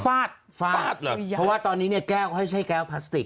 ฟาดฟาดหรือเพราะว่าตอนนี้เนี่ยแก้วเขาให้ใช้แก้วพลาสติก